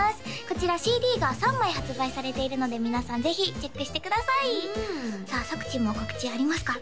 こちらＣＤが３枚発売されているので皆さんぜひチェックしてくださいさあさくちんも告知ありますか？